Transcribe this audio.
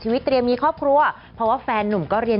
เช้าวันอาทิตย์ไม่กวนเวลางานมันก็ถักได้